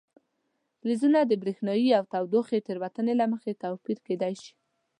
فلزونه د برېښنايي او تودوخې تیرونې له مخې توپیر کیدای شي.